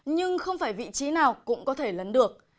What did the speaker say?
nhưng không phải vị trí nào cũng có thể lấn được